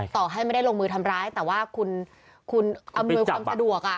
ต่อให้ไม่ได้ลงมือทำร้ายแต่ว่าคุณอำนวยความสะดวก